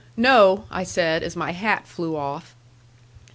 "No," I said, as my hat flew off.